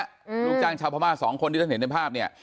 ลูกจ้างชาวพม่าสองคนที่ท่านเห็นในภาพเนี้ย